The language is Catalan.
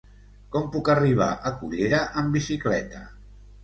Com puc arribar a Cullera amb bicicleta?